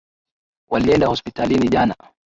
Walienda hospitalini jana